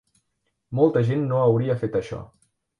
Molta gent no hauria fet això.